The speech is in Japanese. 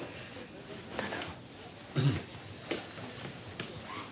どうぞ。